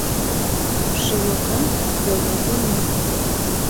Ший ока — Элнет эҥер.